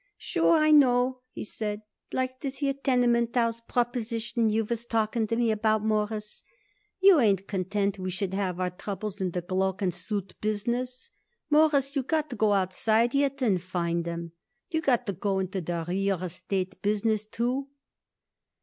"Sure, I know," he said, "like this here tenement house proposition you was talking to me about, Mawruss. You ain't content we should have our troubles in the cloak and suit business, Mawruss, you got to go outside yet and find 'em. You got to go into the real estate business too."